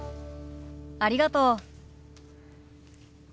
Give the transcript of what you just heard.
ありがとう。